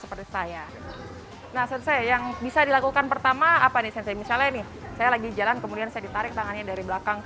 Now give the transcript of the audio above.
bekerja terkaitanya untuk membasahkan diri dan membesar rakyat lih dan kita juga berharap